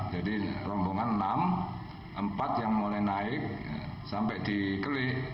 jadi rombongan enam empat yang mulai naik sampai dikelih